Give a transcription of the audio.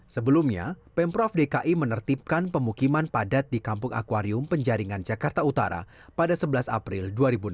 sebelumnya pemprov dki menertibkan pemukiman padat di kampung akwarium penjaringan jakarta utara pada sebelas april dua ribu enam belas